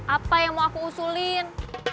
apa yang mau aku usulin